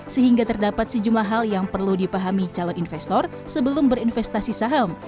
sehingga terdapat sejumlah hal yang perlu dipahami calon investor sebelum berinvestasi saham